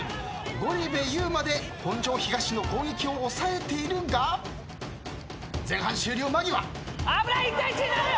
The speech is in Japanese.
ゴリ部ゆうまで本庄東の攻撃を抑えているが前半終了間際。